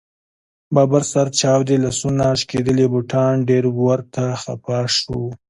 ببر سر، چاودې لاسونه ، شکېدلي بوټان ډېر ورته خفه شو.